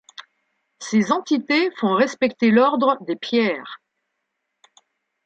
Ces entités font respecter l’ordre des Pierres.